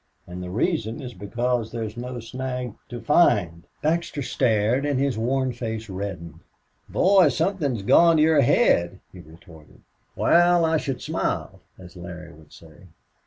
and the reason is because there's no snag to find." Baxter stared and his worn face reddened. "Boy, somethin's gone to your head," he retorted. "Wal, I should smile, as Larry would say."